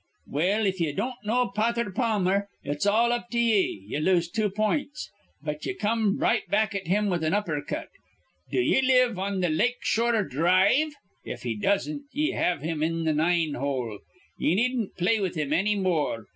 Well, if ye don't know Potther Pammer, it's all up with ye: ye lose two points. But ye come right back at him with an' upper cut: 'Do ye live on th' Lake Shore dhrive?' If he doesn't, ye have him in th' nine hole. Ye needn't play with him anny more.